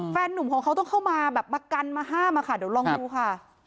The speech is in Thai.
แฟนนุ่มของเขาต้องเข้ามาแบบมากันมาห้ามอะค่ะเดี๋ยวลองดูค่ะ